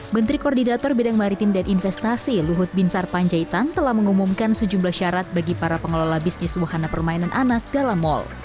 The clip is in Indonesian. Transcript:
menteri koordinator bidang maritim dan investasi luhut binsar panjaitan telah mengumumkan sejumlah syarat bagi para pengelola bisnis wahana permainan anak dalam mal